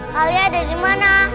kali ada di mana